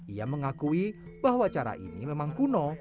ia mengakui bahwa cara ini memang kuno